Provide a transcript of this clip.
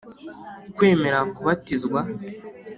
Kwemera kubatizwa.